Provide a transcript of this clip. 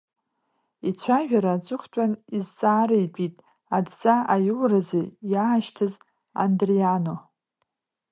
Ицәажәара аҵыхәтәан изҵаараитәит адҵа аиоуразы иаашьҭыз Андриано.